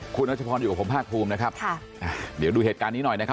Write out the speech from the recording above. คุณรัชพรอยู่กับผมภาคภูมินะครับค่ะเดี๋ยวดูเหตุการณ์นี้หน่อยนะครับ